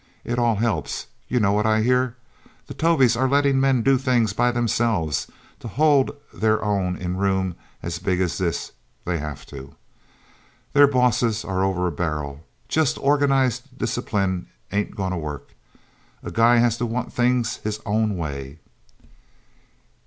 It all helps... You know what I hear? The Tovies are letting men do things by themselves. To hold their own in room as big as this, they have to. Their bosses are over a barrel. Just organized discipline ain't gonna work. A guy has to want things his own way..."